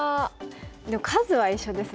でも数は一緒ですもんね。